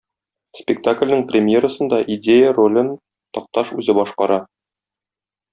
Спектакльнең премьерасында Идея ролен Такташ үзе башкара.